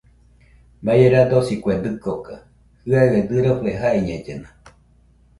Baie radosi kue dɨkoka, jɨaɨe dɨrofe jaiñellena